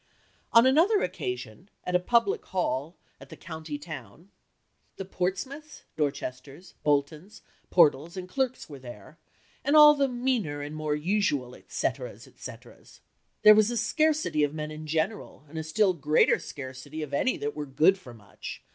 On another occasion, at a public hall at the county town "The Portsmouths, Dorchesters, Boltons, Portals, and Clerks were there, and all the meaner and more usual etc., etcs. There was a scarcity of men in general, and a still greater scarcity of any that were good for much.